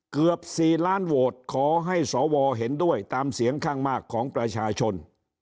เกือบ๔ล้านโหวตขอให้สวเห็นด้วยตามเสียงข้างมากของประชาชน